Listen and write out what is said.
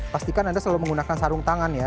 pastikan anda selalu menggunakan sarung tangan ya